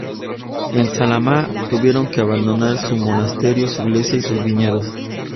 En Salamá tuvieron que abandonar su monasterio, su iglesia y sus viñedos.